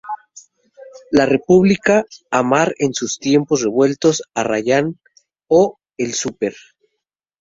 La República, Amar en Tiempos Revueltos, Arrayán o El Súper.